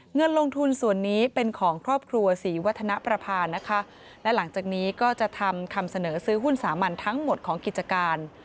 เงินลงทุนส่วนนี้เป็นของครอบครัวศรีวัฒนประพานะคะและหลังจากนี้ก็จะทำคำเสนอซื้อหุ้นสามัญทั้งหมดของกิจการ